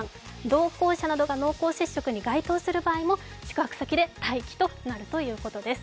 同行者などが濃厚接触に関係する場合も宿泊先で待機ということになるそうです。